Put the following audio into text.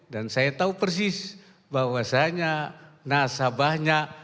dan saya tahu persis bahwasannya nasabahnya